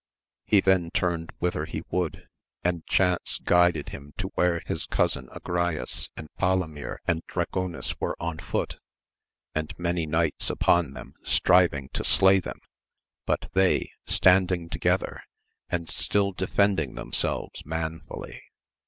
He then turned whither he would, and chance guided him to where his cousin Agrayes, and Palomir and Dragonis were on foot, and many knights upon them striving to slay them, but they, standing together, and still defending themselves manfully.